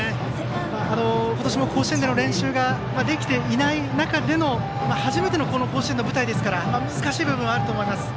今年も甲子園での練習ができていない中での初めての甲子園の舞台ですから難しい部分はあると思います。